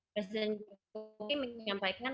pres jokowi menyampaikan